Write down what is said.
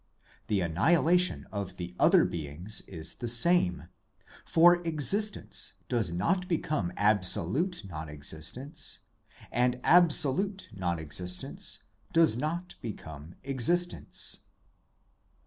The annihilation of the other beings is the same, for existence does not become absolute non existence, and absolute non existence does not become existence.